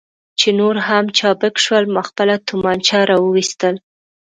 چې نور هم چابک شول، ما خپله تومانچه را وایستل.